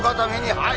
はい！